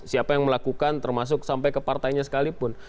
siapa yang melakukan termasuk sampai ke partainya sekalipun